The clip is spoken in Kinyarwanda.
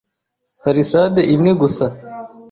palisade, imwe gusa